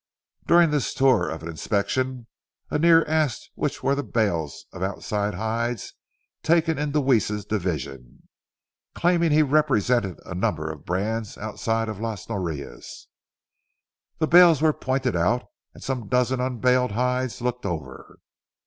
During this tour of inspection, Annear asked which were the bales of outside hides taken in Deweese's division, claiming he represented a number of brands outside of Las Norias. The bales were pointed out and some dozen unbaled hides looked over.